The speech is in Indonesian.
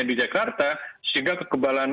di jakarta sehingga kekebalan